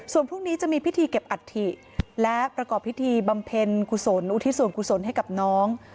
ส่วนพรุ่งนี้จะมีพิธีเก็บอัฐิและประกอบพิธีบำเพ็ญกุศลอุทิศส่วนกุศลให้กับน้อง